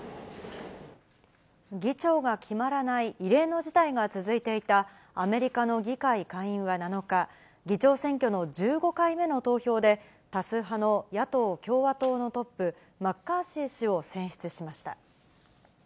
議長が決まらない異例の事態が続いていたアメリカの議会下院は７日、議長選挙の１５回目の投票で、多数派の野党・共和党のトップ、マッカーシー氏を選出しました。